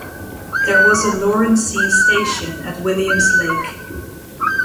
There was a Loran-C station at Williams Lake.